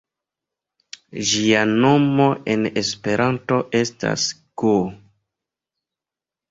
Ĝia nomo en Esperanto estas go.